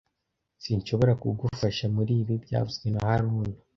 Sinshobora kugufasha muribi byavuzwe na haruna